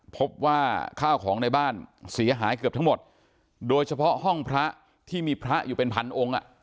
พบว่าข้าวของในบ้านเสียหายเกือบทั้งหมดโดยเฉพาะห้องพระที่มีพระอยู่เป็นพันองค์อ่ะ